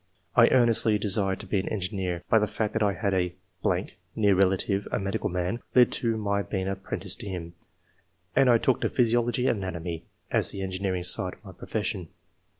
I earnestly desired to be an engineer, but the fact that I had a ...• [near relative] a medical man, led to my being apprenticed to him, and I took to physiology and anatomy, as the engineering side of my profession.